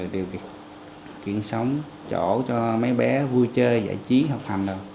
điều kiện sống chỗ cho mấy bé vui chơi giải trí học hành